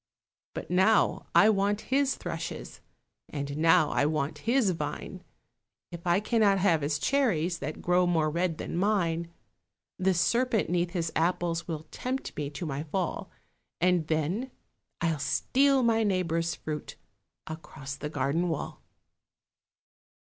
But now I want his thrushes, And now I want his vine, If I cannot have his cherries That grow more red than mine. The serpent 'neath his apples Will tempt me to my fall, And then—I'll steal my neighbour's fruit Across the garden wall.